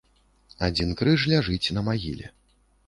Адзін крыж ляжыць на магіле.